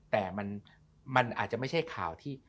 แต่มันอาจจะไม่ใช่ข่าวที่